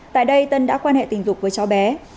tại đây tân đã quan hệ tình dục với cháu bé